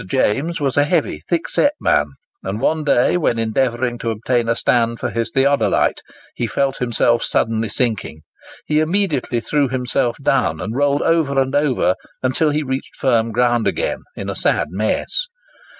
James was a heavy, thick set man; and one day, when endeavouring to obtain a stand for his theodolite, he felt himself suddenly sinking. He immediately threw himself down, and rolled over and over until he reached firm ground again, in a sad mess.